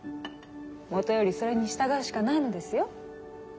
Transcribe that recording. もとよりそれに従うしかないのですよ。